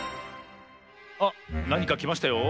あっなにかきましたよ。